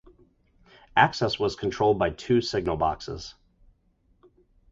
Access was controlled by two signal boxes.